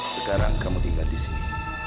sekarang kamu tinggal di sini